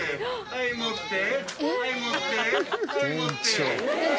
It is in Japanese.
はい盛って。